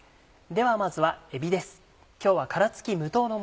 ではまずはえびです。